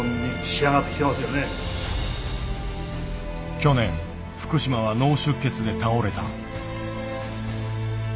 去年福島は脳出血で倒れた。